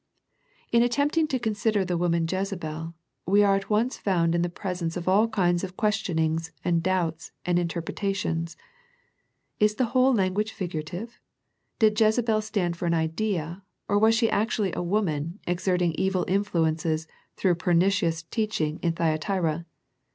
In attempting to consider the woman Jeze bel, we are at once found in the presence of all kinds of questionings and doubts and inter pretations. Is the whole language figurative? Does Jezebel stand for an idea, or was she actually a woman, exerting evil influences through pernicious teaching in Thyatira?